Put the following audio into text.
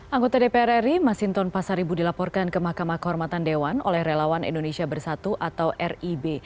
anggota dpr ri masinton pasaribu dilaporkan ke mahkamah kehormatan dewan oleh relawan indonesia bersatu atau rib